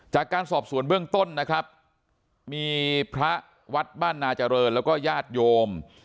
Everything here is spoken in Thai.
จากการสอบสวนเบื้องต้นนะครับมีพระวัดบ้านนาเจริญแล้วก็ญาติโยม